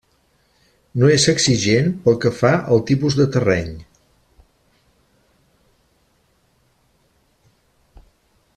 No és exigent pel que fa al tipus de terreny.